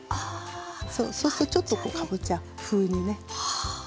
そうするとちょっとかぼちゃ風にねなります。